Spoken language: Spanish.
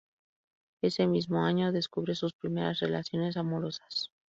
Ese mismo año descubre sus primeras relaciones amorosas.